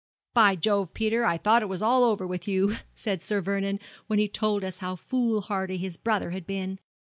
"By Jove, Peter, I thought it was all over with you," said Sir Vernon, when he told us how foolhardy his brother had been.